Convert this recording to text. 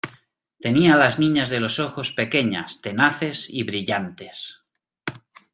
tenía las niñas de los ojos pequeñas, tenaces y brillantes